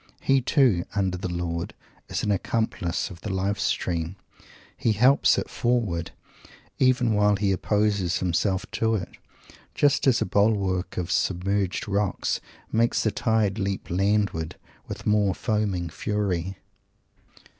He, too, under the Lord, is an accomplice of the Life stream. He helps it forward, even while he opposes himself to it, just as a bulwark of submerged rocks make the tide leap landward with more foaming fury!